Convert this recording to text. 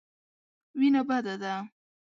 وېنه بده ده.